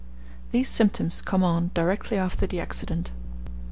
These symptoms come on directly after the accident.